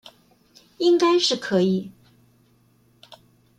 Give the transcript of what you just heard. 應該是可以